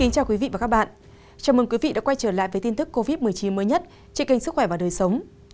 chào mừng quý vị đến với quay trở lại với tin tức covid một mươi chín mới nhất trên kênh sức khỏe và đời sống